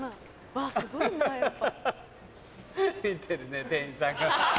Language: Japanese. わぁすごいなやっぱ。